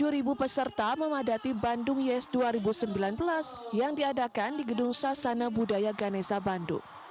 tujuh ribu peserta memadati bandung yes dua ribu sembilan belas yang diadakan di gedung sasana budaya ganesa bandung